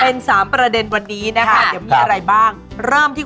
โหยิวมากประเด็นหัวหน้าแซ่บที่เกิดเดือนไหนในช่วงนี้มีเกณฑ์โดนหลอกแอ้มฟรี